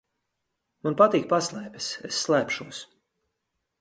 Man patīk paslēpes. Es slēpšos.